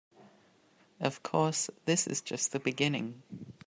Of course, this is just the beginning.